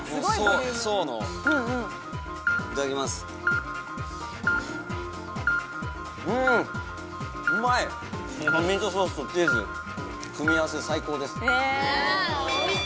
ミートソースとチーズ組み合わせ最高です。